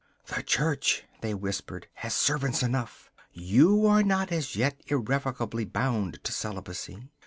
'The Church,' they whispered, 'has servants enough. You are not as yet irrevocably bound to celibacy.